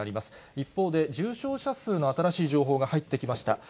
一方で、重症者数の新しい情報が入ってきました。